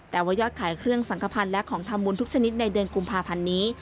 แต่ว่ายอดขายเครื่องสังขพันธ์และของทำบุญทุกชนิดในเดือนกุมภาพันธ์นี้